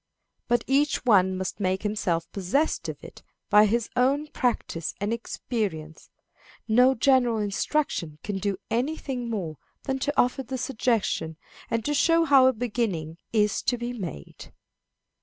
But each one must make himself possessed of it by his own practice and experience. No general instructions can do any thing more than to offer the suggestion, and to show how a beginning is to be made.